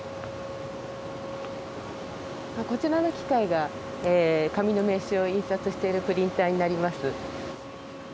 こちらの機械が紙の名刺を印刷しているプリンターになります。